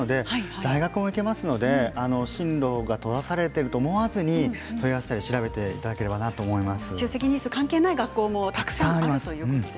大学にも行けますので進路が閉ざされているとは思わずに調べていただきたいと思います。